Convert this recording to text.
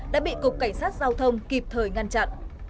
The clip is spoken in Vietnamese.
đã bị cục cảnh sát giao thông kịp thời ngăn chặn